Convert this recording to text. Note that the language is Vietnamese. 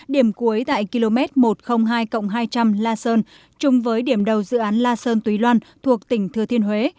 điểm cuối tại km một trăm linh hai hai trăm linh la sơn chung với điểm đầu dự án la sơn túy loan thuộc tỉnh thừa thiên huế